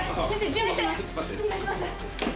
先生。